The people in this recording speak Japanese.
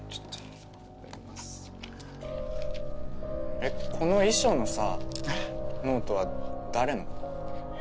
えっこの遺書のさノートは誰の？